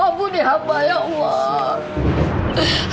ya allah bunyi hampa ya allah